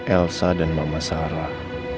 elsa dan mama sarah